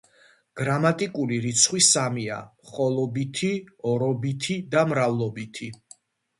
გრამატიკული რიცხვი სამია: მხოლობითი, ორობითი და მრავლობითი.